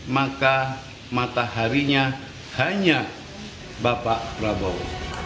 maka mataharinya hanya bapak prabowo